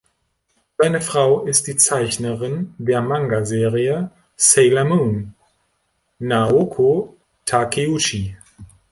Seine Frau ist die Zeichnerin der Mangaserie "Sailor Moon", Naoko Takeuchi.